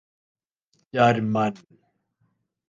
German